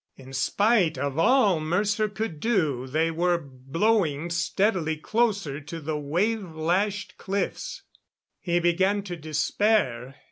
In spite of all Mercer could do, they were blowing steadily closer to the wave lashed cliffs. He began to despair.